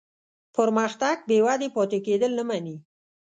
پرمختګ بېودې پاتې کېدل نه مني.